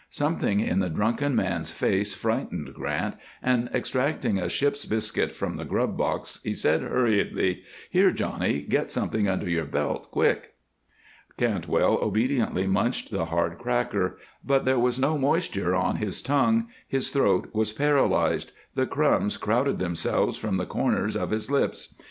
Something in the drunken man's face frightened Grant and, extracting a ship's biscuit from the grub box, he said, hurriedly: "Here, Johnny. Get something under your belt, quick." Cantwell obediently munched the hard cracker, but there was no moisture on his tongue; his throat was paralyzed; the crumbs crowded themselves from the corners of his lips.